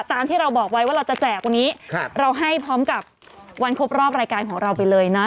ตามที่เราบอกไว้ว่าเราจะแจกวันนี้เราให้พร้อมกับวันครบรอบรายการของเราไปเลยนะ